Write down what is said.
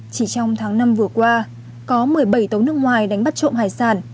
chỉ trong tháng năm vừa qua có một mươi bảy tàu nước ngoài đánh bắt trộm hải sản